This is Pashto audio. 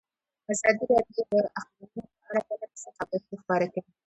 ازادي راډیو د اقلیتونه په اړه پرله پسې خبرونه خپاره کړي.